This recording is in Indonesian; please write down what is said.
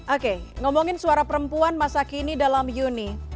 oke ngomongin suara perempuan masa kini dalam yuni